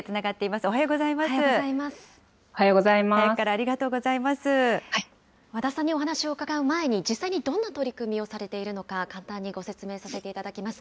早くからありがとうございま和田さんにお話を伺う前に、実際にどんな取り組みをされているのか簡単にご説明させていただきます。